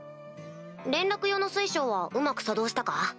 連絡用の水晶はうまく作動したか？